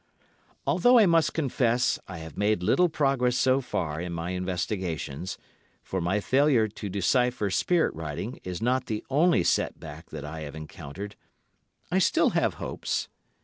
Although I must confess I have made little progress so far in my investigations, for my failure to decipher spirit writing is not the only set back that I have encountered, I still have hopes.